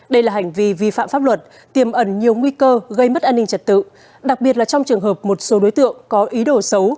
đây là hành vi vi phạm pháp luật tiềm ẩn nhiều nguy cơ gây mất an ninh trật tự đặc biệt là trong trường hợp một số đối tượng có ý đồ xấu